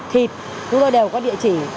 thịt chúng tôi đều có địa chỉ